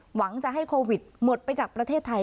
หวังจะให้โควิดหมดไปจากประเทศไทย